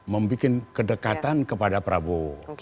membuat kedekatan kepada prabowo